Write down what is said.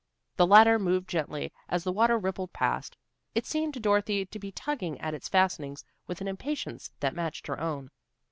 The latter moved gently as the water rippled past. It seemed to Dorothy to be tugging at its fastenings with an impatience that matched her own.